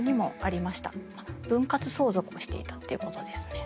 分割相続をしていたっていうことですね。